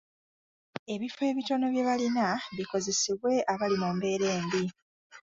Ebifo ebitono bye balina bikozesebwe abali mu mbeera embi